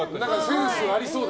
センスありそうだ